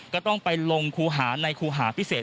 ก็ต้องไปลงครูหาในครูหาพิเศษ